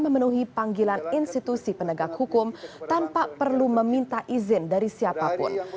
memenuhi panggilan institusi penegak hukum tanpa perlu meminta izin dari siapapun